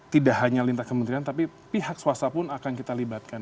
tidak hanya lintas kementerian tapi pihak swasta pun akan kita libatkan